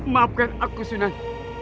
maafkan aku sunan